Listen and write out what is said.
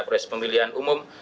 proses pemilihan umum